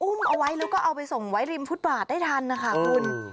เอาไว้แล้วก็เอาไปส่งไว้ริมฟุตบาทได้ทันนะคะคุณ